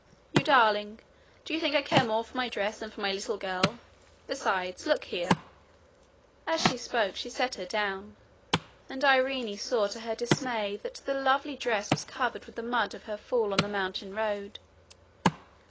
'You darling! do you think I care more for my dress than for my little girl? Besides look here.' As she spoke she set her down, and Irene saw to her dismay that the lovely dress was covered with the mud of her fall on the mountain road.